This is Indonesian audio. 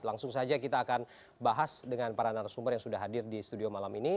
langsung saja kita akan bahas dengan para narasumber yang sudah hadir di studio malam ini